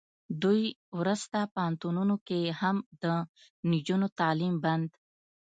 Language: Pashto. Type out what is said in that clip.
دوی ورسته پوهنتونونو کې هم د نجونو تعلیم بند